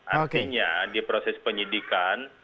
artinya di proses penyidikan